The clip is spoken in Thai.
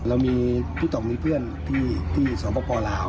เรามีพี่ต่องมีเพื่อนที่สปลาว